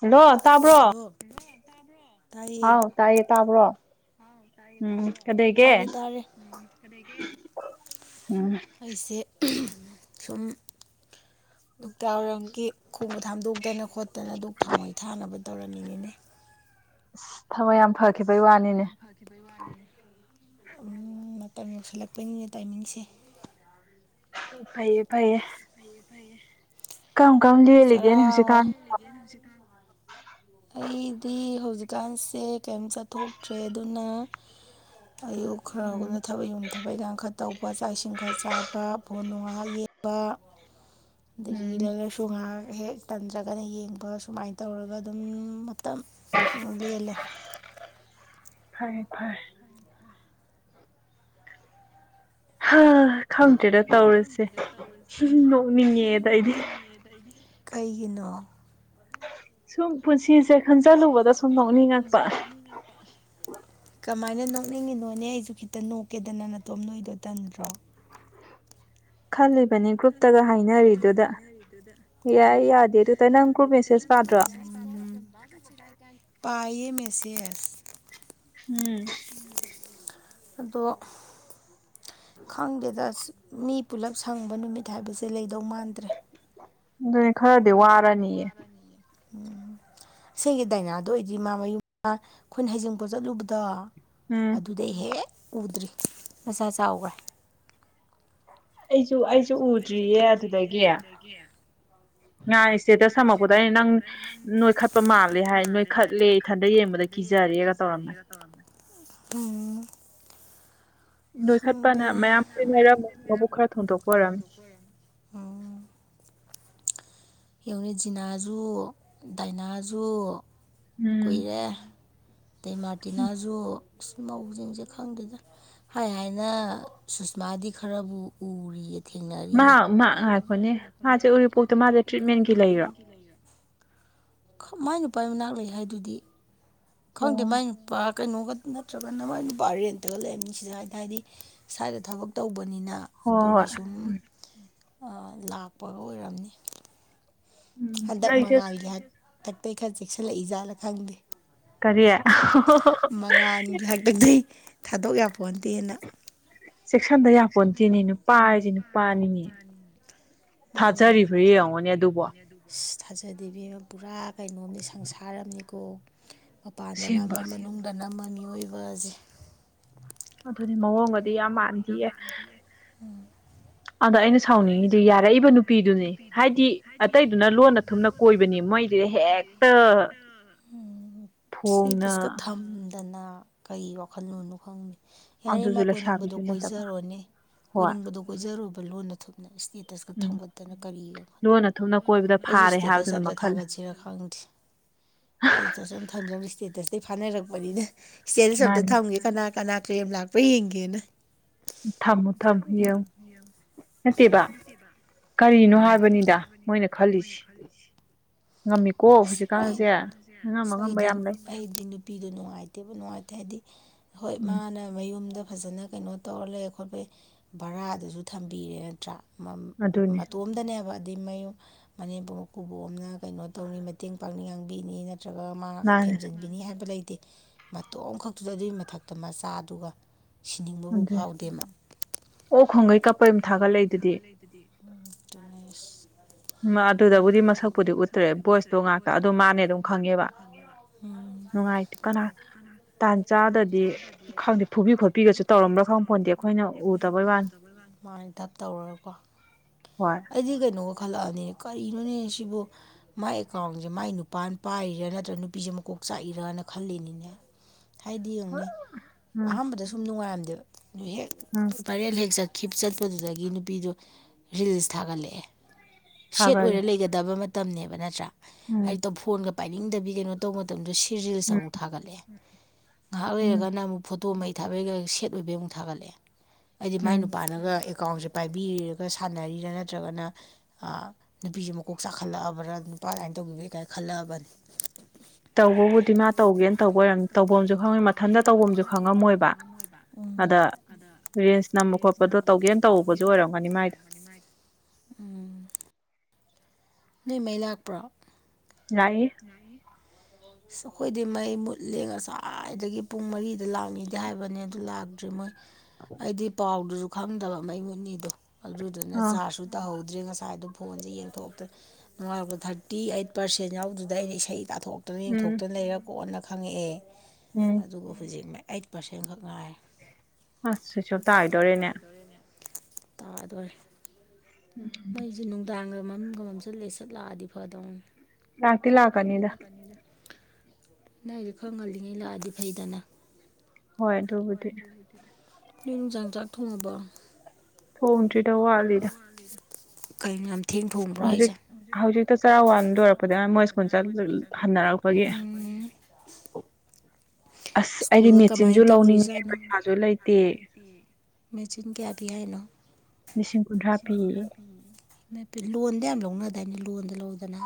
Hello ꯇꯥꯕ꯭ꯔꯣ hello ꯇꯥꯏꯌꯦ ꯍꯥꯎ ꯇꯥꯏꯌꯦ ꯇꯕ꯭ꯔꯣ ꯇꯥꯔꯦ ꯇꯥꯔꯦ ꯎꯝ ꯑꯩꯁꯦ ꯁꯨꯝ ꯇꯣꯛꯇꯔꯝꯒꯤ ꯈꯣꯡꯕ ꯊꯥꯝꯗꯣꯛꯇꯅ ꯈꯣꯠꯇꯅ ꯗꯨꯛ ꯊꯥꯎꯋꯥꯩ ꯊꯥꯅꯕ ꯇꯧꯔꯝꯃꯤꯉꯅꯦ ꯊꯕꯛ ꯌꯥꯝ ꯐꯦ ꯊꯕꯛ ꯌꯥꯝ ꯐꯈꯤꯕꯒꯤ ꯋꯥꯅꯤꯅꯦ ꯑꯗꯨꯝ ꯃꯇꯝ ꯌꯧꯁꯤꯜꯂꯛꯄꯩꯅꯤꯅꯦ ꯇꯥꯏꯃꯤꯡꯁꯦ ꯐꯩꯌꯦ ꯐꯩꯌꯦ ꯐꯩ ꯐꯩꯌꯦ ꯀꯔꯝ ꯀꯔꯝ ꯂꯦꯜꯂꯤꯒꯦꯅꯤ ꯍꯧꯖꯤꯛꯀꯥꯟ [unintelligible] ꯑꯩꯗꯤ ꯍꯧꯖꯤꯛꯀꯥꯟꯁꯦ ꯀꯩꯝ ꯆꯠꯊꯣꯛꯇ꯭ꯔꯦ ꯑꯗꯨꯅ ꯑꯌꯨꯛ ꯈꯔ ꯎꯝ ꯈꯔꯅ ꯊꯕꯛ ꯌꯨꯝ ꯊꯕꯛ ꯏꯈꯥꯡ ꯈꯔ ꯇꯧꯕ ꯆꯥꯛ ꯏꯁꯤꯡ ꯈꯔ ꯆꯥꯕ ꯐꯣꯟ ꯅꯨꯡ ꯉꯍꯥꯛ ꯌꯦꯡꯕ ꯑꯗꯒꯤ ꯎꯝ ꯂꯥꯏꯛ ꯂꯥꯏꯁꯨ ꯉꯥꯏꯍꯥꯛ ꯍꯦꯛ ꯇꯟꯖ꯭ꯔꯒꯅ ꯌꯦꯡꯕ ꯁꯨꯃꯥꯏꯅ ꯇꯧꯔꯒ ꯑꯗꯨꯝ ꯃꯇꯝ ꯂꯦꯜꯂꯦ ꯐꯔꯦ ꯐꯔꯦ ꯍꯥꯥ ꯍꯥ ꯈꯪꯗꯦꯒ ꯅꯣꯛꯅꯤꯡꯉꯦꯗ ꯑꯩꯗꯤ ꯇꯧꯔꯁꯤꯅꯦꯅꯤꯡꯉꯗ ꯑꯩꯗꯤ ꯀꯩꯒꯤꯅꯣ ꯁꯨꯝ ꯄꯨꯟꯁꯤꯁꯦ ꯈꯟꯖꯤꯜꯂꯨꯕꯗ ꯁꯨꯝ ꯅꯣꯛꯅꯤꯡꯉꯛꯄ ꯀꯃꯥꯏꯅ ꯅꯣꯛꯅꯤꯡꯉꯤꯅꯣꯅꯦ ꯑꯩꯁꯨ ꯈꯤꯇ ꯅꯣꯛꯀꯦꯗꯅ ꯅꯇꯣꯝ ꯅꯣꯏꯗꯣ ꯇꯟꯗ꯭ꯔꯣ ꯈꯜꯂꯤꯕꯅꯤ ꯒ꯭ꯔꯨꯞꯇꯒ ꯍꯥꯏꯅꯔꯤꯗꯨꯗ ꯗꯨꯗ ꯌꯥꯏ ꯌꯥꯗꯦ ꯑꯗꯨꯗ ꯅꯪ ꯒ꯭ꯔꯨꯞ ꯃꯦꯁꯦꯁ ꯄꯥꯗ꯭ꯔꯣ ꯄꯑꯌꯦꯦ ꯃꯦꯁꯦꯖ ꯎꯝ ꯑꯗꯣ ꯈꯪꯗꯦꯗ ꯑꯁ ꯃꯤ ꯄꯨꯂꯞ ꯁꯪꯕ ꯅꯨꯃꯤꯠ ꯍꯥꯏꯕꯁꯦ ꯂꯩꯗꯧ ꯃꯥꯟꯗ꯭ꯔꯦ ꯑꯗꯨꯅꯤ ꯈꯔꯗꯤ ꯋꯥꯔꯅꯤꯑ ꯑꯁꯦꯡꯒꯤ ꯗꯥꯏꯅꯥꯗꯣ ꯑꯣꯏꯗꯤ ꯃꯥ ꯃꯌꯨꯝ ꯑꯩꯈꯣꯏꯅ ꯍꯩꯖꯤꯡꯄꯣ ꯆꯠꯂꯨꯕꯗ ꯎꯝ ꯑꯗꯨꯗꯩ ꯍꯦꯛ ꯎꯗ꯭ꯔꯤ ꯃꯆꯥꯥ ꯆꯥꯎꯈ꯭ꯔꯦ ꯑꯩꯁꯨ ꯑꯩꯁꯨ ꯎꯗ꯭ꯔꯤꯌꯦ ꯑꯗꯨꯗꯒꯤ ꯉꯔꯤꯁꯤ ꯁꯇꯦꯇꯁ ꯊꯝꯃꯛꯄꯗ ꯑꯩꯅ ꯅꯪ ꯅꯣꯏꯈꯠꯄ ꯃꯥꯜꯂꯦ ꯍꯥꯏ ꯅꯣꯏꯈꯠꯂꯦ ꯏꯊꯟꯗ ꯌꯦꯡꯕꯗ ꯀꯤꯖꯔꯦꯒ ꯇꯧꯔꯝꯃꯅꯤ ꯎꯝ ꯈꯪꯗꯦ ꯅꯣꯏꯈꯠꯄꯅ ꯃꯌꯥꯝ ꯀꯣꯏ ꯂꯩꯔꯝꯃꯦ ꯃꯕꯨꯛ ꯈꯔ ꯊꯣꯡꯗꯣꯛꯄ ꯑꯣꯏꯔꯝꯃꯤ ꯑꯦꯎꯅꯤ ꯖꯤꯅꯥꯖꯨ ꯗꯥꯏꯅꯥꯖꯨ ꯎꯝ ꯀꯨꯏꯔꯦ ꯑꯗꯩ ꯃꯥꯔꯇꯤꯅꯥꯁꯨ ꯃꯧꯁꯤꯡꯁꯦ ꯈꯪꯗꯦꯗ ꯍꯥꯏ ꯍꯥꯏꯅ ꯁꯨꯁꯃꯥꯗꯤ ꯈꯔꯕꯨ ꯎꯔꯤ ꯊꯦꯡꯅꯔꯤꯌꯦ ꯃꯥ ꯃꯥ ꯉꯥꯏꯈꯣꯅꯦ ꯉꯥꯛꯄꯅꯦ ꯃꯥꯁꯦ ꯎꯔꯤꯄꯣꯛꯇ ꯃꯥꯁꯦ ꯎꯣꯛ ꯃꯥꯁ ꯇ꯭ꯔꯤꯠꯃꯦꯟꯒꯤ ꯂꯩꯔꯣ ꯇ꯭ꯔꯤꯠꯦꯟ ꯂꯩ [inaudible] ꯃꯥꯏ ꯅꯨꯄꯥꯏ ꯃꯅꯥꯛ ꯂꯩ ꯍꯥꯏꯗꯨꯗꯤ ꯈꯪꯗꯦ ꯑꯣ ꯃꯥꯏ ꯅꯨꯄꯥ ꯀꯩꯅꯣꯒ ꯅꯠꯇ꯭ꯔꯒꯅ ꯃ ꯅꯨꯄꯥ ꯑꯔꯦꯟꯇꯒ ꯂꯩ ꯃꯤꯁꯤꯗ ꯍꯥꯏꯅ ꯍꯥꯏꯗꯤ ꯁ꯭ꯋꯥꯏꯗ ꯊꯕꯛ ꯇꯧꯕꯅꯤꯅ ꯍꯣꯏ ꯑꯗꯨꯒꯤ ꯍꯣꯏ ꯁꯨꯝ ꯂꯥꯛꯄꯒ ꯑꯣꯏꯔꯝꯅꯤ ꯎꯝ ꯍꯟꯗꯛ ꯂꯩꯁꯦ ꯃꯉꯥꯜꯒꯤ ꯍꯥꯛꯇꯛꯇꯩ ꯈꯔ ꯆꯦꯛꯁꯤꯜꯂꯛꯏꯖꯥꯠꯅ ꯈꯪꯗꯦ ꯀꯔꯤ ꯃꯉꯥꯜꯒꯤ ꯍꯥꯏꯄ ꯅꯩ ꯊꯥꯗꯣꯛ ꯌꯥꯄꯣꯟꯗꯦꯅ ꯆꯦꯛꯁꯟꯗ ꯌꯥꯄꯣꯟꯗꯤꯦꯅꯦ ꯅꯨꯄꯥ ꯍꯥꯏꯁꯦ ꯅꯨꯄꯥꯅꯤꯅꯦ ꯃꯥꯅꯤ ꯃꯥ ꯊꯥꯖꯔꯤꯕ꯭ꯔꯥ ꯌꯦꯡꯉꯣꯅꯦ ꯑꯗꯨꯕꯣ ꯊꯥꯖꯗꯕꯤ ꯑꯃ ꯄꯨꯔꯥ ꯀꯩꯅꯣꯝꯅꯤ ꯁꯪꯁꯥꯔꯝꯅꯤꯀꯣ ꯃꯄꯥꯟꯗ ꯑꯁꯦꯡꯕ ꯅꯝꯃ ꯃꯅꯨꯡꯗ ꯅꯝꯃ ꯃꯤꯑꯣꯏꯕꯁꯦ ꯑꯗꯨꯅꯤ ꯃꯑꯣꯡꯒꯗꯤ ꯌꯥꯝ ꯃꯥꯟꯈꯤꯌꯦ ꯑꯗꯣ ꯑꯩꯅ ꯁꯥꯎꯅꯤꯡꯉꯤꯗꯤ ꯌꯥꯔꯛꯏꯕ ꯅꯨꯄꯤꯗꯨꯅꯦ ꯍꯥꯏꯗꯤ ꯑꯇꯩꯗꯨꯅ ꯂꯣꯟꯅ ꯊꯨꯝꯅ ꯀꯣꯏꯕꯅꯤ ꯃꯣꯏꯁꯤꯗ ꯍꯦꯛꯇ ꯐꯣꯡꯅ ꯏꯁꯇꯦꯇꯁꯀ ꯊꯝꯗꯅ ꯀꯔꯤ ꯋꯥꯈꯜꯂꯨꯅꯣ ꯈꯪꯉ ꯌꯥꯔꯦ ꯏ ꯃꯥ ꯑꯗꯨꯁꯨ ꯀꯣꯏꯅꯤꯡꯕꯗꯣ ꯂꯩꯁꯥꯕꯤꯁꯨ ꯅꯠꯇꯕ ꯀꯣꯏꯖꯔꯣꯅꯦ ꯍꯣꯏ ꯀꯣꯏꯅꯤꯡꯕꯗꯣ ꯀꯣꯏꯖꯔꯨꯕ ꯂꯣꯟꯅ ꯊꯛꯅ ꯏꯁꯇꯦꯠ ꯇꯁꯀ ꯎꯝ ꯊꯝꯝꯕꯠꯇꯅ ꯀꯔꯤꯒꯣ ꯈꯗ ꯐ ꯂꯣꯟꯅ ꯊꯨꯝꯅ ꯀꯣꯏꯕꯗ ꯑꯩꯁꯨ ꯐꯥꯔꯦ ꯏꯁꯇꯦꯇꯁ ꯍꯥꯏꯕꯗꯨꯅ ꯑꯝꯇ ꯃꯈꯜ ꯊꯥꯒꯠꯁꯤꯔ ꯈꯪꯗꯦ ꯏꯁꯇꯦꯇꯁ ꯑ ꯊꯝꯖꯕ ꯏꯁꯇꯦꯇꯁꯇꯩ ꯐꯥꯅꯔꯛꯄꯅꯤꯅ ꯏꯁꯇꯦꯇꯁ ꯑꯝꯇ ꯃꯥꯅꯤ ꯊꯝꯒ ꯀꯅꯥ ꯀꯅꯥ ꯀ꯭ꯂꯦꯝ ꯂꯥꯛꯄ ꯌꯦꯡꯒꯦꯅ ꯊꯝꯃꯣ ꯊꯝ ꯍ ꯅꯠꯇꯦꯕ ꯀꯔꯤꯅꯣ ꯍꯥꯏꯕꯅꯤꯗ ꯃꯣꯏꯅ ꯈꯜꯂꯤꯁꯤꯦ ꯉꯝꯃꯤꯀꯣ ꯍꯧꯖꯤꯛꯀꯥꯟꯁꯦ ꯑꯉꯝ ꯑꯉꯝꯕ ꯁꯍꯤꯗꯤꯟ ꯌꯥꯝ ꯂꯩ ꯑꯩꯩꯗꯤ ꯅꯨꯄꯤꯗꯣ ꯅꯨꯡꯉꯥꯏꯇꯦꯕ ꯅꯨꯡꯉꯥꯏꯇꯦ ꯍꯥꯏꯗꯤ ꯍꯣꯏ ꯎꯝ ꯃꯥꯅ ꯃꯌꯨꯝꯗ ꯐꯖꯅ ꯀꯩꯅꯣ ꯇꯧꯔ ꯂꯩ ꯈꯣꯠꯄꯩ ꯚꯔꯥꯗꯨꯁꯨ ꯊꯝꯕꯤꯔꯦ ꯅꯠꯇ꯭ꯔꯥ ꯑꯗꯨꯅꯤ ꯣꯝꯗꯅꯦꯕ ꯑꯩ ꯃꯌꯨꯝ ꯃꯅꯦꯝꯄ ꯃꯀꯨꯕꯣꯝꯅ ꯀꯩꯅꯣ ꯇꯧꯅꯤ ꯃꯇꯦꯡ ꯄꯥꯡꯅꯤ ꯉꯥꯡꯕꯤꯅꯤꯅ ꯅꯠꯇ꯭ꯔꯒ ꯃꯥ ꯃꯥꯅꯦ ꯊꯦꯝꯖꯤꯟꯕꯤꯅꯤ ꯍꯥꯏꯕ ꯂꯩꯇꯦ ꯃꯇꯣꯝ ꯈꯛꯇꯨꯗ ꯑꯗꯨꯒꯤ ꯃꯊꯛꯇ ꯃꯆꯥꯗꯨꯒ ꯁꯤꯅꯤꯡꯕꯕꯨ ꯑꯗꯨꯅꯤ ꯐꯥꯎꯗꯦ ꯃꯥ ꯑꯣ ꯈꯣꯡꯒꯩ ꯀꯞꯄꯩ ꯑꯗꯨ ꯊꯥꯒꯠꯂꯛꯏ ꯑꯗꯨꯗꯤ ꯇꯅꯦꯁ ꯑꯗꯨꯗꯕꯨꯗꯤ ꯃꯁꯛꯄꯨꯗꯤ ꯎꯠꯇ꯭ꯔꯦ ꯚꯣꯏꯁꯇꯣ ꯉꯥꯛꯇ ꯑꯗꯨ ꯃꯥꯅꯦ ꯑꯗꯨꯝ ꯈꯪꯉꯦꯕ ꯅꯨꯡꯉꯥꯏꯇꯦ ꯀꯅꯥ ꯇꯥꯟ ꯆꯥꯗꯗꯤ ꯈꯪꯗꯦ ꯐꯨꯕꯤ ꯈꯣꯠꯄꯤꯒꯁꯨ ꯇꯧꯔꯝꯕ꯭ꯔꯥ ꯈꯪꯕ ꯐꯣꯟꯗꯦ ꯑꯩꯈꯣꯏꯅ ꯎꯗꯕꯩ ꯋꯥꯅꯤ ꯁꯨꯃꯥꯏꯅ ꯊꯞ ꯇꯧꯔꯒꯀꯣ ꯍꯣꯏ ꯑꯩꯗꯤ ꯀꯩꯅꯣꯒ ꯈꯜꯂꯛꯑꯅꯤꯅꯦ ꯀꯔꯤꯅꯣꯅꯦ ꯁꯤꯕꯨ ꯃꯥꯥꯏ ꯑꯦꯀꯥꯎꯟꯁꯦ ꯃꯥꯏ ꯅꯨꯄꯥꯅ ꯄꯥꯏꯔꯤꯔꯥ ꯅꯠꯇ꯭ꯔꯒ ꯅꯨꯄꯤꯁꯦ ꯃꯀꯣꯛ ꯆꯥꯛꯏꯔꯅ ꯈꯜꯂꯤꯅꯤꯅꯦ ꯍꯥꯏꯗꯤ ꯌꯦꯡꯉꯨꯅꯦ ꯎꯝ ꯑꯍꯥꯟꯕꯗ ꯁꯨꯝ ꯅꯨꯡꯉꯥꯏꯔꯝꯗꯦꯕ ꯍꯦꯛ ꯎꯝ ꯕꯥꯏꯔꯦꯜ ꯍꯦꯛ ꯆꯠꯈꯤꯕ ꯆꯠꯄꯗꯨꯗꯒꯤ ꯅꯨꯄꯤꯗꫭ ꯔꯤꯜꯁ ꯊꯥꯒꯠꯂꯛꯑꯦ ꯁꯦꯠ ꯑꯣꯏꯔ ꯊꯥꯒꯠꯂꯦ ꯂꯩꯒꯗꯕ ꯃꯇꯝꯕꯅ‌ꯦꯕ ꯅꯠꯇ꯭ꯔꯥ ꯎꯝ ꯍꯥꯏꯛꯇꯣ [unintelligible] ꯐꯣꯟꯒ ꯄꯥꯏꯅꯤꯡꯗꯕꯤ ꯀꯩꯅꯣ ꯇꯧꯕ ꯃꯇꯝꯗ ꯁꯤꯔꯤꯜꯁ ꯎꯝ ꯑꯃꯨꯛ ꯊꯥꯒꯠꯂꯛꯑꯦ ꯉꯥꯏꯍꯥꯛ ꯎꯝ ꯂꯩꯔꯒꯅ ꯑꯃꯨꯛ ꯐꯣꯇꯣ ꯃꯩ ꯊꯥꯕꯩꯒ ꯁꯦꯠ ꯑꯣꯏꯕꯩ ꯑꯃꯨꯛ ꯊꯥꯒꯠꯂꯛꯑꯦ ꯍꯥꯏꯗꯤ ꯃꯥꯏ ꯎꯝ ꯅꯨꯄꯥꯅꯒ ꯑꯦꯀꯥꯎꯟꯁꯦ ꯄꯥꯏꯕꯤꯔꯒ ꯁꯥꯟꯅꯔꯤꯔꯥ ꯅꯠꯇ꯭ꯔꯒꯅ ꯑꯥ ꯅꯨꯄꯤꯁꯦ ꯃꯀꯣꯛ ꯆꯥꯛꯈꯠꯂꯛꯑꯕ꯭ꯔꯥ ꯅꯨꯄꯥꯅ ꯑꯗꯨꯃꯥꯏꯅ ꯇꯧꯒꯕꯩ ꯀꯥꯏꯅ ꯈꯜꯂꯛꯑꯕꯅꯤ ꯇꯧꯕꯕꯨꯗꯤ ꯃꯥ ꯇꯧꯒꯦꯅ ꯇꯧꯕ ꯑꯣꯏꯔꯝ ꯇꯧꯐꯝꯁꯨ ꯈꯪꯉꯣꯏ ꯃꯊꯟꯇ ꯇꯧꯕꯐꯝꯝꯁꯨ ꯈꯪꯉꯝꯃꯣꯏꯕ ꯎꯝ ꯑꯗ ꯔꯦꯜꯖꯁ ꯅꯝꯕ ꯈꯣꯠꯄꯗꯣ ꯇꯧꯒꯦꯅ ꯇꯧꯕꯕꯁꯨ ꯑꯣꯏꯔꯝꯒꯅꯤ ꯃꯥꯏꯗꫭ ꯎꯝ ꯅꯣꯏ ꯃꯩ ꯂꯥꯛꯄ꯭ꯔꯣ ꯌꯥꯛꯏ ꯌꯥꯌꯦ [unintelligible] ꯑꯁ ꯑꯩꯈꯣꯏꯗꯤ ꯃꯩ ꯃꯨꯠꯂꯦ ꯉꯁ꯭ꯋꯥꯏꯗꯒꯤ ꯄꯨꯡ ꯃꯔꯤꯗ ꯂꯥꯛꯅꯤꯗꯦ ꯍꯥꯏꯕꯅꯤ ꯑꯗꯨ ꯂꯥꯛꯇ꯭ꯔꯤ ꯃꯣꯏ ꯑꯩꯗꯤ ꯄꯥꯎꯗꯨꯁꯨ ꯈꯪꯗꯕ ꯃꯩ ꯃꯨꯅꯤꯗꯣ ꯑꯗꯨꯗꯨꯅ ꯑꯥ ꯆꯥꯔꯁꯨ ꯇꯧꯍꯧꯗ꯭ꯔꯦ ꯉꯁꯥꯏ ꯑꯗꫭ ꯐꯣꯟꯁꯦ ꯌꯦꯡꯊꯣꯛ ꯇ ꯅꯨꯡꯉꯥꯟꯂꯛꯄꯗ ꯊꯥꯔꯇꯤ ꯑꯩꯠ ꯄꯥꯔꯁꯦꯟ ꯌꯥꯎꯗꯨꯗ ꯑꯩꯅ ꯏꯁꯩ ꯇꯥꯊꯣꯛ ꯇꯅ ꯎꯝ ꯌꯦꯡꯊꯣꯛꯇꯅ ꯂꯩꯔ ꯀꯣꯟꯅ ꯈꯪꯉꯛꯑꯦ ꯎꯝ ꯑꯗꯨꯒ ꯍꯧꯖꯤꯛꯅ ꯑꯩꯠ ꯄꯥꯔꯁꯦꯟꯈꯛ ꯉꯥꯏꯔꯦ ꯑꯁ ꯁꯨꯏꯁ ꯑꫭꯞ ꯇꯥꯥꯒꯤꯗꯣꯔꯦꯅꯦ ꯇꯥꯗꯣꯔꯦ ꯎꯝ ꯃꯩꯁ‌ꯦ ꯅꯨꯡꯗꯥꯡꯒ ꯃꯝꯒ ꯃꯝꯖꯜꯂꯛꯑ‌ꯦ ꯁꯠꯂꯥꯛꯑꯗꯤ ꯐꯗꯧꯅꯦ ꯂꯥꯛꯇꯤ ꯂꯥꯛꯀꯅꯤꯗ ꯑꯗꫭꯏꯖꯨ ꯈꯔ ꯉꯜꯂꯤꯉꯩ ꯂꯥꯛꯑꯗꯤ ꯐꯩꯗꯅ ꯍꯣꯏ ꯑꯗꯨꯕꯨꯗꯤ ꯅꯣꯏ ꯅꯨꯡꯗꯥꯡ ꯆꯥꯛ ꯊꯣꯡꯉꯕꯣ ꯊꯣꯡꯗꯔꯤꯗ ꯋꯥꯠꯂꯤꯗ ꯀꯩꯅꯣ ꯌꯥꯝ ꯊꯦꯡ ꯊꯣꯡꯕ꯭ꯔꯣ ꯍꯧꯖꯤꯛ ꯍꯥꯏꯁꯦ ꯍꯧꯖꯤꯛꯇ ꯆꯔ ꯋꯥꯟ ꯂꯣꯏꯔꯛꯄꯗꯒꯤ ꯃꯥ ꯃꯣꯏ ꯁ꯭ꯀꯨꯜ ꯆꯠ ꯍꯟꯅꯔꯛꯄꯒꯤ ꯑꯁ ꯑꯩꯗꯤ ꯁ꯭ꯀꯨꯜ ꯃꯦꯆꯤꯟꯁꯨ ꯀꯃꯥꯏꯅ ꯂꯧꯅꯤꯡꯉꯦ ꯇꯧꯔꯤꯖꯥꯠꯅꯣ ꯄꯩꯁꯥꯁꯨ ꯂꯩꯇꯦ ꯃꯦꯆꯤꯟ ꯀꯌꯥ ꯄꯤ ꯍꯥꯏꯅꯣ ꯂꯤꯁꯤꯡ ꯀꯨꯟꯊ꯭ꯔꯥ ꯄꯤ ꯅꯠꯇ‌ꯦ ꯂꫭꯟꯗ ꯌꯥꯝ ꯂꯧꯅꯗꯥꯏꯅ‌ꯦ ꯂꫭꯟ ꯅ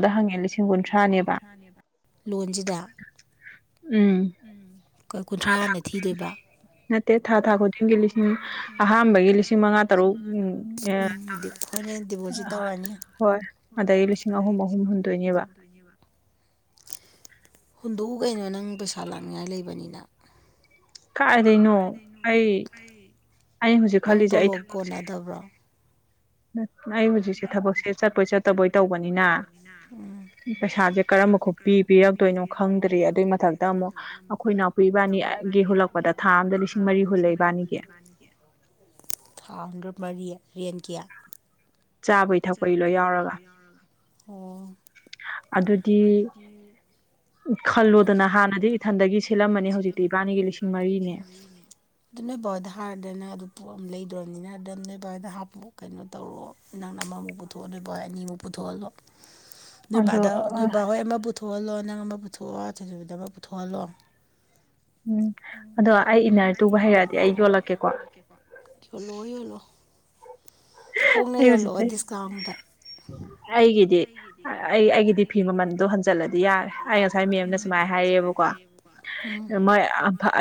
ꯂꯣꯟꯗ ꯂꯧꯕꯗ ꯍꯪꯉꯦ ꯂꯤꯁꯤꯡ ꯀꯨꯟꯊ꯭ꯔꯥꯅꯦꯕ ꯂꯣꯟꯁꯤꯗ ꯎꯝ ꯎꯝ ꯀꯨꯟꯊ꯭ꯔꯥ ꯊꯥ ꯊꯥ ꯍꯥꯟꯅ ꯊꯤꯗꯣꯏꯕ ꯅꯠꯇꯦ ꯊꯥ ꯊꯥ ꯈꯨꯗꯤꯡꯒꯤ ꯂꯤꯁꯤꯡ ꯎꯝ ꯑꯍꯥꯟꯕꯒꯤ ꯂꯤꯁꯤꯡ ꯃꯉꯥ ꯇꯔꯨꯛ ꯎꯝ꯫ ꯑꯩꯈꯣꯏꯅ ꯗꯤꯄꯣꯖꯤꯠ ꯇꯧꯔꯅꯤ [unintelligible] ꯍꯣꯏ ꯑꯗꯒꯤ ꯂꯤꯁꯤꯡ ꯑꯍꯨꯝ ꯑꯍꯨꯝ ꯍꯨꯟꯗꯣꯏꯅꯦꯕ ꯍꯨꯟꯗꯣꯛꯎ ꯀꯩꯅꯣ ꯅꯪ ꯄꯩꯁꯥ ꯂꯥꯛꯅꯤꯡꯉꯥꯏ ꯂꯩꯕꯅꯤꯅ ꯀꯥꯏꯗꯩꯅꯣ ꯑꯩ ꯑꯩ ꯍꯧꯖꯤꯛ ꯅꯪ ꯈꯜꯂꯤꯁꯦ ꯑꯩ ꯇꯣꯂꯣꯞ ꯊꯕꯛꯁꯦ ꯀꯣꯟꯅꯗꯕ꯭ꯔꯣ ꯑꯩ ꯍꯧꯖꯤꯛꯁꯦ ꯊꯕꯛꯁꯦ ꯆꯠꯄꯣꯏ ꯆꯠꯇꯕꯣꯏ ꯇꯧꯕꯅꯤꯅ ꯎꯝ ꯄꯩꯁꯥꯁꯦ ꯀꯔꯝꯕ ꯈ ꯄꯤ ꯄꯤꯔꯛꯇꯣꯏꯅꯣ ꯈꯪꯗ꯭ꯔꯤ ꯑꯗꯨꯏ ꯃꯊꯛꯇ ꯑꯃꯨꯛ ꯑꯩꯈꯣꯏ ꯅꯥꯎꯄꯤ ꯏꯕꯥꯅꯤꯒꯤ ꯍꯨꯂꯛꯄ ꯍꯨꯜꯂꯛꯄꯗ ꯊꯥ ꯑꯃꯗ ꯂꯤꯁꯤꯡ ꯃꯔꯤ ꯍꯨꯜꯂ‌ꯦ ꯏꯕꯥꯅꯤꯒꯤ ꯊꯥ ꯑꯃꯗ ꯃꯔꯤ ꯔꯦꯟꯒꯤ ꯆꯥꯕꯩ ꯊꯛꯄꯒꯤ ꯂꯣꯏ ꯌꯥꯎꯔꯒ ꯑꯣ ꯑꯗꯨꯗꯤ ꯈꯜꯂꯣꯗꯅ ꯍꯥꯟꯅꯗꯤ ꯏꯊꯟꯗꯒꯤ ꯁꯠꯂꯝꯕꯅꯤ ꯍꯧꯖꯤꯛꯇꯤ ꯏꯕꯥꯅꯤꯒꯤ ꯂꯤꯁꯤꯡ ꯃꯔꯤꯅꯦ ꯑꯗꯨ ꯅꯣꯏ ꯕꯥꯏꯗ ꯍꯥꯔꯗꯅ ꯑꯗꯨ ꯄꯣꯠ ꯑꯃ ꯂꯩꯗ꯭ꯔꯕꯅꯤꯅ ꯑꯗꯨ ꯅꯣꯏ ꯕꯥꯎꯏꯗ [unintelligible] ꯍꯥꯞꯄ ꯀꯩꯅꯣ ꯇꯧꯔꯛꯑꯣ ꯅꯪꯅ ꯑꯃꯃꯨꯛ ꯄꯨꯊꯣꯛꯑꯣ ꯅꫭꯏ ꯕꯍꫭꯏ ꯑꯅꯤꯃꯨꯛ ꯄꯨꯊꯣꯛꯍꯜꯂꯣ [inaudible] ꯅꯣꯏꯕꯥꯗ ꯅꯣꯏꯕ ꯍꯣꯏ ꯑꯃ ꯄꯨꯊꯣꯛꯍꯜꯂꯣ ꯅꯪ ꯑꯃ ꯄꯨꯊꯣꯛꯑꯣ ꯊꯣꯏꯊꫭꯏꯕꯤꯗ ꯑꯃ ꯄꯨꯊꯣꯛꯍꯜꯂꯣ ꯎꯝ ꯑꯗꯣ ꯑꯩ ꯏꯟꯅꯔ ꯇꯨꯕ ꯍꯩꯔꯛꯑꯗꯤ ꯑꯩ ꯌꯣꯜꯂꯛꯀꯦꯀꯣ ꯌꯣꯜꯂꯣꯑꯣ ꯌꯣꯜꯂꯣ ꯍꯣꯡꯅ ꯑꯩ ꯌꯣꯜꯂꯛꯑꯣ ꯍꯧꯖꯤꯛꯇꯩ ꯗꯤꯁꯀꯥꯎꯟꯗ ꯑꯩꯒꯤꯗꯤ ꯑꯩ ꯑꯩꯒꯤꯗꯤ ꯐꯤ ꯃꯃꯟꯗꯣ ꯍꯟꯖꯜꯂꯗꯤ ꯌꯥꯔꯦ ꯑꯩ ꯉꯁꯥꯏ ꯃꯦꯝꯅ ꯁꯨꯃꯥꯏꯅ ꯍꯥꯏꯔꯤꯑꯕꯀꯣ ꯎꯝ ꯃꯣꯏ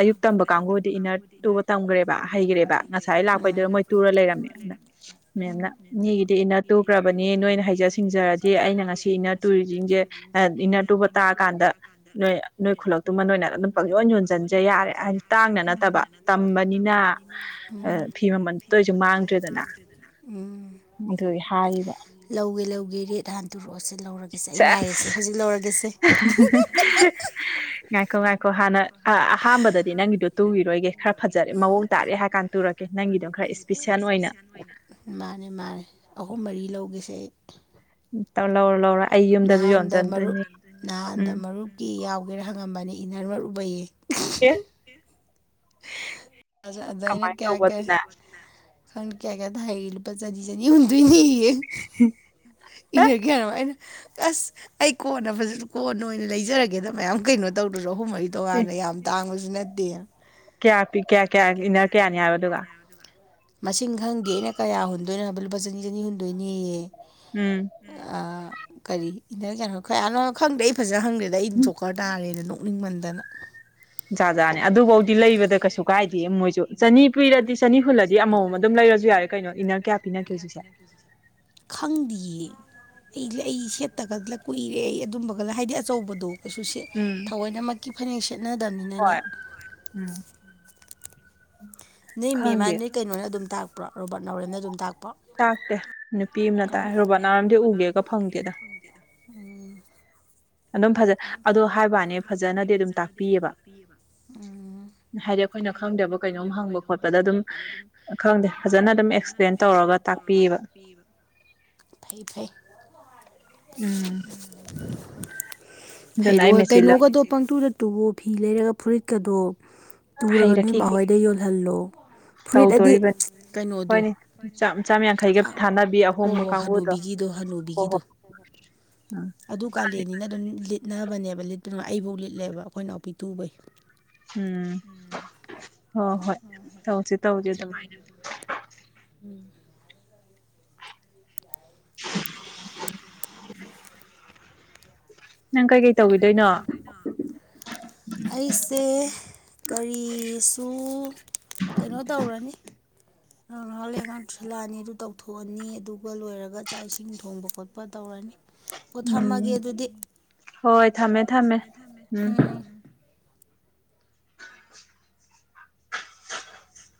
ꯑꯌꯨꯛ ꯇꯝꯕ ꯀꯥꯡꯕꯨꯗꯤ ꯏꯟꯅꯔ ꯇꯨꯕ ꯇꯝꯈ꯭ꯔꯦꯕ ꯍꯩꯈ꯭ꯔꯦꯕ ꯉꯁꯥꯏ ꯂꯥꯛꯄꯩꯗꯨꯗ ꯃꯣꯏ ꯇꯨꯔ ꯂꯩꯔꯝꯃꯦ ꯎꯝ ꯃꯦꯝꯅ ꯃꯤꯒꯤꯗꯤ ꯏꯟꯅ ꯇꯨꯈ꯭ꯔꯕꯅꯤ ꯅꯣꯏꯅ ꯍꯩ ꯅꯣꯏꯅ ꯍꯩꯖ ꯁꯤꯡꯖꯔꯗꯤ ꯑꯩꯅ ꯉꯁꯤ ꯏꯟꯅꯔ ꯇꯨꯔꯤꯁꯤꯡꯤꯡꯁꯦ ꯏꯟꯅꯔ ꯇꯨꯕ ꯇꯥꯛꯑ ꯀꯥꯟꯗ ꯅꯣꯏ ꯅꯣꯏ ꯈꯨꯂꯛꯇꯨꯃ ꯅꯣꯏꯅ ꯑꯗꯨꯝ ꯄ ꯍꯨꯟꯁꯤꯟꯁꯦ ꯌꯥꯔꯦ ꯍꯥꯏꯗꯤ ꯇꯥꯡꯅ ꯅꯠꯇꯕ ꯇꯝꯕꯅꯤꯅ ꯐꯤ ꯃꯃꯜ ꯁꯤ ꯇꯣꯏꯁꯨ ꯃꯃꯜ ꯂꯣꯏꯁꯨ ꯃꯥꯡꯗ꯭ꯔꯦꯗꯅ ꯎꯝ ꯑꯗꯨ ꯍꯥꯏꯌꯦꯕ ꯂꯧꯒꯦ ꯂꯧꯒꯦ ꯔꯦꯠ ꯍꯥꯟ ꯇꯣꯔꯛꯑꯣꯁꯦ ꯂꯧꯔꯒꯦꯁꯦ ꯑꯩ ꯉꯥꯏꯔꯤꯁꯦ ꯍꯧꯖꯤꯛ ꯂꯧꯔꯒꯦꯁꯦ ꯉꯥꯏꯈꯣꯡ ꯉꯥꯏꯈꯣꯡ ꯍꯅ ꯑ ꯑꯍꯥꯟꯕꯗꯗꯤ ꯅꯪꯒꯤꯗꯣ ꯇꯨꯈꯤꯔꯣꯏꯒꯦ ꯈꯔ ꯐꯖꯔꯦ ꯃꯑꯣꯡ ꯇꯥꯔꯦ ꯍꯥꯏꯔ ꯀꯥꯟꯗ ꯇꯨꯔꯛꯀꯦ ꯅꯪꯒꯤꯗꯣ ꯈꯔ ꯏꯁꯄꯤꯁꯦꯜ ꯑꯣꯏꯅ ꯃꯥꯅꯦ ꯃꯥꯅꯦ ꯑꯍꯨꯝ ꯃꯔꯤ ꯂꯧꯒꯦꯁꯦ ꯑꯩ ꯂꯧꯔ ꯂꯧꯔ ꯑꯩ ꯌꯨꯝꯗꯁꯨ ꯅꯍꯥꯟꯗ ꯃꯔꯔꯨ ꯌꯣꯟꯖꯟꯗꯣꯏꯅꯤ ꯅꯍꯥꯟꯗ ꯎꯝ ꯃꯔꯨꯞꯀꯤ ꯌꯥꯎꯒꯦꯔꯥ ꯍꯪꯉꯝꯕꯅꯦ ꯏ ꯅꯔ ꯃꯔꯨꯕꯌꯦ ꯌꯦꯁ ꯗꯅꯤ ꯀꯌꯥ ꯇꯧꯕ ꯀꯦ ꯑꯗꯨꯅ ꯈꯟ ꯀꯌꯥ ꯀꯌꯥꯗ ꯍꯥꯏ ꯄ ꯆꯅꯤ ꯆꯅꯤ ꯍꯗꯣꯏꯅꯤꯌꯦ ꯑꯦ ꯏꯟꯅ ꯀꯌꯥꯅꯩꯅ ꯑꯁ ꯑꯩ ꯀꯣꯟꯅ ꯐ ꯀꯣꯟꯅ ꯑꯣꯏꯅ ꯂꯩꯖꯔꯒꯦꯗ ꯃꯌꯥꯝ ꯀꯩꯅꯣ ꯇꯧꯗ꯭ꯔꯁꯨ ꯑꯍꯨꯝ ꯃꯔꯤ ꯑꯦ ꯇꯧꯀꯥꯟꯗ ꯌꯥꯝ ꯇꯥꯡꯕꯁꯨ ꯅꯠꯇꯦ ꯀꯌꯥ ꯄꯤ ꯀꯌꯥ ꯀꯌꯥ ꯏꯟꯅꯔ ꯀꯌꯥꯅꯤ ꯍꯥꯏꯕ ꯑꯗꯨꯒ ꯃꯁꯤꯡ ꯈꯪꯗꯦ ꯑꯩꯅ ꯀꯌꯥ ꯍꯨꯟꯗꯣꯏꯅꯣ ꯍꯥꯏꯕ ꯂꯨꯄꯥ ꯆꯅꯤ ꯆꯅꯤ ꯍꯨꯟꯗꯣꯏꯅꯤꯑ ꯎꯝ ꯑ ꯀꯔꯤꯅ ꯀꯩꯅꯣ ꯈꯌꯥꯅꯣ ꯈꯪꯗꯦ ꯑꯩ ꯐꯖꯅ ꯈꯪꯗꯦꯗ ꯑꯩ ꯗꯣꯛꯀꯔ ꯇꯥꯔꯦꯗ ꯅꯣꯛꯅꯤꯡꯃꯟꯗꯅ ꯖꯥꯖꯥꯠꯅꯦ ꯑꯗꯨꯐꯧꯗꯤ ꯂꯩꯕꯗ ꯀꯩꯁꯨ ꯀꯥꯏꯗꯦ ꯃꯣꯏꯁꯨ ꯆꯅꯤ ꯄꯤꯔꯗꯤ ꯆꯅꯤ ꯍꯨꯜꯂꯗꯤ ꯑꯃꯃꯝ ꯑꯗꯨꯝ ꯂꯩꯔꯁꯨ ꯌꯥꯔꯦ ꯀꯩꯅꯣ ꯏꯟꯅꯔ ꯀꯌꯥ ꯄꯤꯅꯒꯦ ꯍꯧꯖꯤꯛꯁꯦ ꯈꯪꯗꯌꯦ ꯑꯩ ꯑꯩ ꯁꯦꯠꯇꯒꯂ ꯀꯨꯏꯔꯦ ꯑꯩ ꯑꯗꯨꯝꯕꯒꯂ ꯍꯥꯏꯗꯤ ꯑꯆꯧꯕꯗꯣ ꯀꯩꯁꯨ ꯎꯝ ꯊꯑꯣꯏꯅꯃꯛꯀꯤ ꯐꯅꯦꯛ ꯁꯦꯠꯅꯗꯕꯅꯤꯅꯅꯦ ꯍꯣꯏ ꯎꯝ ꯅꯣꯏ ꯃꯦꯝ ꯃꯥ ꯈꯪꯗꯦ ꯅꯣꯏ ꯀꯩꯅꯣꯅ ꯑꯗꯨꯝ ꯇꯥꯛꯄ꯭ꯔꯥ ꯔꯣꯕꯥꯔꯠ ꯅꯥꯎꯔꯦꯝꯅ ꯑꯗꯨꯝ ꯇꯥꯛꯄ ꯇꯥꯛꯇꯦ ꯅꯨꯄꯤ ꯑꯃꯅ ꯇꯥꯏ ꯔꯣꯕꯥꯅꯥꯔꯝꯗꯤ ꯎꯒꯦꯒ ꯐꯪꯗꯦꯗ ꯎ ꯑꯗꯨꯝ ꯐꯖ ꯑꯗꯣ ꯍꯥꯏꯕꯅꯦ ꯐꯖꯅꯗꯤ ꯑꯗꯨꯝ ꯇꯥꯛꯄꯤꯑꯕ ꯎꯝ ꯍꯥꯏꯗꯤ ꯑꯩꯈꯣꯏꯅ ꯈꯪꯗꯕ ꯀꯩꯅꯣꯝ ꯍꯪꯕ ꯈꯣꯠꯄꯗ ꯑꯗꯨꯝ ꯈꯪꯗꯦ ꯐꯖꯅ ꯑꯗꯨꯝ ꯑꯦꯛꯁꯄ꯭ꯂꯦꯟ ꯇꯧꯔꯒ ꯇꯧꯔꯒ ꯇꯥꯛꯄꯤꯌꯦꯕ ꯇꯥꯛꯄꯤꯕ ꯐꯩ ꯐꯩ ꯎꯝ ꯑꯗꯨꯅ ꯍꯩꯔꯣ ꯑꯩ ꯃꯦꯆꯤꯜꯂ ꯀꯩꯅꯣꯒꯗꯣ ꯄꯪꯇꯨꯗ ꯇꯨꯋꯣ ꯐꯤ ꯂꯩꯔꯒ ꯐꯨꯔꯤꯠꯀꯗꯣ ꯇꯨꯔꯒ ꯍꯩꯔꯛꯈꯤꯒꯦ ꯅꯣꯏꯃꯍꯣꯏꯗ ꯌꯣꯜꯍꯜꯂꯣ ꯐꯨꯔꯤꯠ ꯍꯥꯏꯗꯤ ꯇꯧꯗꯣꯔꯤꯕꯅꯤ ꯀꯩꯅꯣꯗꯣ ꯍꯣꯏꯅꯦ ꯆꯥꯝ ꯆꯥꯝ ꯌꯥꯡꯈꯩꯒ ꯊꯥꯅꯕꯤ ꯍꯣ ꯑꯍꯣꯡꯕ ꯍꯣ ꯀꯥꯡꯕꯨꯗꯣ ꯍꯅꯨꯕꯤꯒꯤꯗꯣ ꯍꯣꯏ ꯍꯅꯨꯕꯤꯒꯤꯗꯣ ꯍꯣꯏ ꯎꯝ ꯑꯗꯨ ꯈꯜꯂꯤ ꯀꯥꯂꯦꯟꯅꯤꯅ ꯑꯗꯨꯝ ꯂꯤꯠꯅꯕꯅꯦꯕ ꯂꯤꯠꯇꯄ ꯑꯩꯐꯥꯎ ꯂꯤꯠꯂꯦꯕ ꯑꯩꯈꯣꯏꯅ ꯑꯎꯄꯤ ꯇꯨꯕꯩ ꯎꯝ ꯍꯣꯏ ꯍꯣꯏ ꯇꯧꯁꯤ ꯇꯧꯁ ꯑꯗꯨꯃꯥꯏꯅ ꯎꯝ ꯌꯥ [unintelligible] ꯅꯪ ꯀꯩꯀꯩ ꯇꯧꯈꯤꯗꯣꯏꯅꯣ ꯑꯩꯁꯦ ꯀꯔꯤꯁꯨ ꯀꯩꯅꯣ ꯇꯧꯔꯅꯤ ꯉꯍꯥꯜꯂꯩꯔ ꯑꯉꯥꯡ ꯇꯨꯏꯁꯤꯜꯂꯛꯑꯅꯤ ꯑꯗꯨ ꯇꯧꯊꯣꯛꯑꯅꯤ ꯑꯗꯨꯒ ꯂꯣꯏꯔꯒ ꯆꯥꯛ ꯏꯁꯤꯡ ꯊꯣꯡꯕ ꯈꯣꯠꯄ ꯇꯧꯔꯅꯤ ꯑꯣ ꯊꯝꯃꯒꯦ ꯎꯝ ꯑꯗꯨꯗꯤ ꯍꯣꯏ ꯊꯝꯃꯦ ꯊꯝꯃꯦ ꯎꯝ [unintelligible]